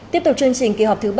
tiếp tục chương trình kỳ họp thứ bảy